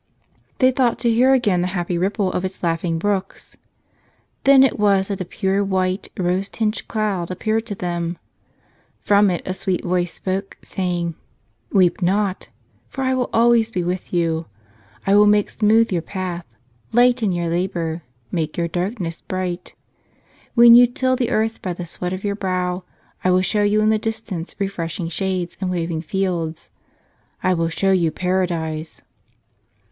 They thought to hear again the happy ripple of its laughing brooks. Then it was that a pure white, rose tinged cloud appeared to them. From it a sweet voice spoke, saying: "Weep not! For I will always be with you. I will make smooth your path, lighten your labor, make your darkness bright. When you till the earth by the sweat of your brow, I will show you in the distance refreshing shades and waving fields — I will show you Paradise."